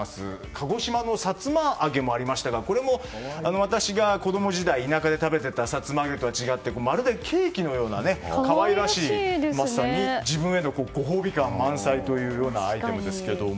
鹿児島のさつま揚げもありましたがこれも、私が子供時代田舎で食べていたさつま揚げとは違ってまるでケーキのような可愛らしい、まさに自分へのご褒美感満載というアイテムですが。